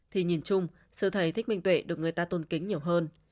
thì nhìn chung sư thầy thích minh tuệ được người ta tôn kính nhiều hơn